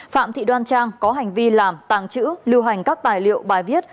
phạm thị đoan trang có hành vi làm tàng trữ lưu hành các tài liệu bài viết